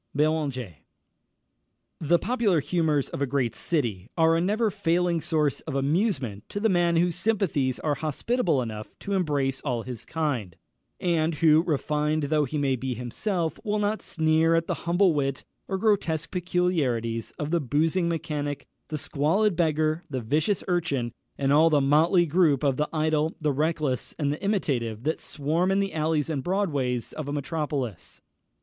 Beranger. [Illustration: T] The popular humours of a great city are a never failing source of amusement to the man whose sympathies are hospitable enough to embrace all his kind, and who, refined though he may be himself, will not sneer at the humble wit or grotesque peculiarities of the boozing mechanic, the squalid beggar, the vicious urchin, and all the motley group of the idle, the reckless, and the imitative that swarm in the alleys and broadways of a metropolis.